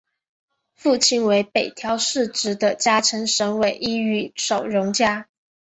父亲为北条氏直的家臣神尾伊予守荣加。